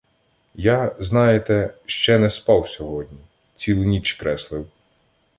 — Я, знаєте, ще не спав сьогодні — цілу ніч креслив.